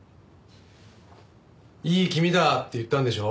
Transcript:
いい気味だって言ったんでしょ？